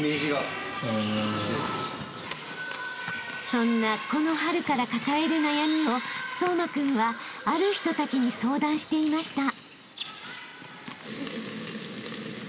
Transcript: ［そんなこの春から抱える悩みを颯真君はある人たちに相談していました］